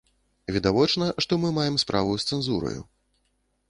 Відавочна, што мы маем справу з цэнзураю.